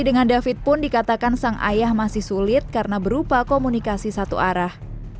dengan david pun dikatakan sang ayah masih sulit karena berupa komunikasi satu arah